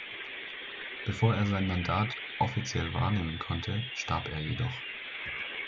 Bevor er sein Mandat offiziell wahrnehmen konnte, starb er jedoch.